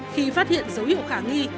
khi phát hiện dấu hiệu khả nghi